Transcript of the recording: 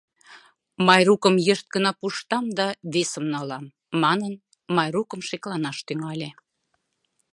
«Майрукым йышт гына пуштам да весым налам» манын, Майрукым шекланаш тӱҥале.